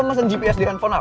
udah ngeri ngeri aja